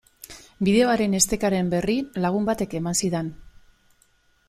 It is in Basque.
Bideoaren estekaren berri lagun batek eman zidan.